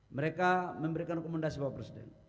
mereka memberikan rekomendasi bapak presiden